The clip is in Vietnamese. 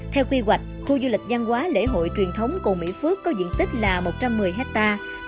theo quy hoạch khu du lịch văn hóa lễ hội truyền thống cồn mỹ phước có diện tích là một trăm một mươi hectare